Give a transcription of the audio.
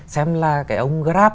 xem là cái ông grab